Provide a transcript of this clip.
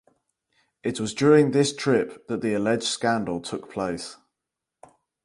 It was during this trip that the alleged scandal took place.